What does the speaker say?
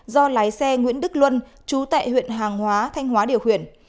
do lái xe nguyễn đức luân chú tại huyện hàng hóa thanh hóa điều khiển